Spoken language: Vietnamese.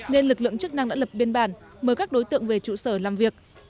nên lực lượng chức năng đã lập biên bản mời các đối tượng về trụ sở làm việc